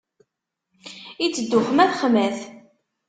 Iteddu xmat, xmat.